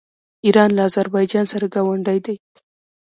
ایران له اذربایجان سره ګاونډی دی.